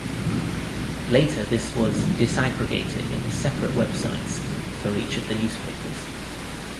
Later this was disaggregated into separate websites for each of the newspapers.